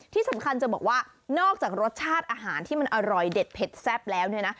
ที่สำคัญจะบอกว่านอกจากรสชาติอาหารที่มันอร่อยเด็ดเผ็ดแซ่บแล้วเนี่ยนะ